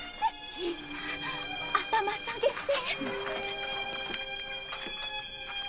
頭下げて！